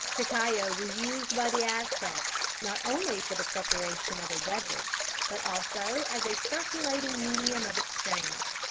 _ Cacao was used by the Aztecs not only for the preparation of a beverage, but also as a circulating medium of exchange.